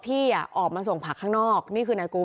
พี่อุ๋ยพ่อจะบอกว่าพ่อจะรับผิดแทนลูก